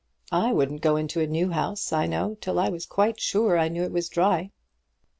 I wouldn't go into a new house, I know, till I was quite sure it was dry."